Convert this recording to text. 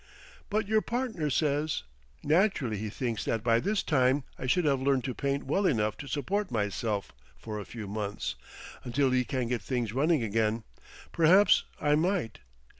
"But your partner says " "Naturally he thinks that by this time I should have learned to paint well enough to support myself for a few months, until he can get things running again. Perhaps I might."